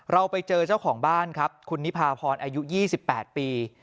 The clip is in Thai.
เราไปเจอเจ้าของบ้านครับคุณนิพาพรอายุ๒๘ปี